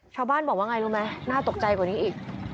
ชาวบ้านบอกว่าไงรู้ไหมน่าตกใจกว่านี้อีก